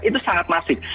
itu sangat masif